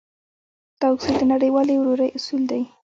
دا اصول د نړيوالې ورورۍ اصول دی.